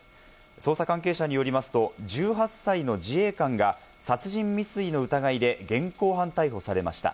捜査関係者によりますと、１８歳の自衛官、殺人未遂の疑いで現行犯逮捕されました。